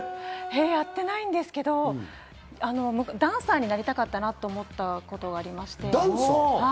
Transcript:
やってないんですけど、ダンサーになりたかったなって思ったことがありまして。